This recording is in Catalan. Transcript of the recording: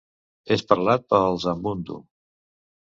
És parlat pels Ambundu.